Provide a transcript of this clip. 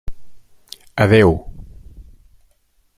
Adéu.